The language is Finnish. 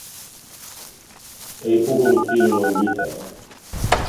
Ei puhunut silloin mitään.